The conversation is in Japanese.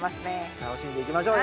楽しんでいきましょうよ。